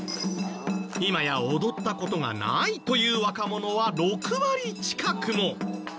今や踊った事がないという若者は６割近くも。